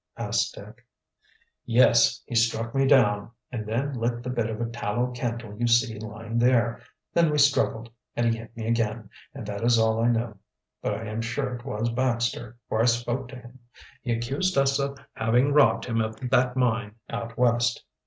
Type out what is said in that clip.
asked Dick. "Yes. He struck me down, and then lit the bit of tallow candle you see lying there. Then we struggled, and he hit me again, and that is all I know. But I am sure it was Baxter, for I spoke to him. He accused us of having robbed him of that mine out West."